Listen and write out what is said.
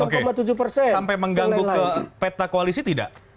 sampai mengganggu ke peta koalisi tidak